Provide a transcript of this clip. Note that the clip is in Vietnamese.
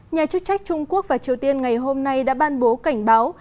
nhà chức trách trung quốc và triều tiên ngày hôm nay đã ban bố cảnh báo